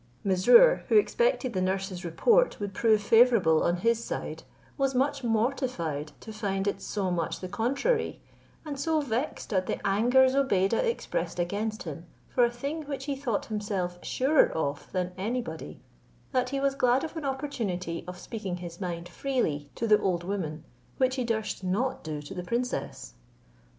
Mesrour, who expected the nurse's report would prove favourable on his side, was much mortified to find it so much the contrary, and so vexed at the anger Zobeide expressed against him, for a thing which he thought himself surer of than any body, that he was glad of an opportunity of speaking his mind freely to the old women, which he durst not do to the princess.